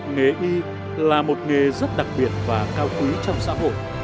nghề y là một nghề rất đặc biệt và cao quý trong xã hội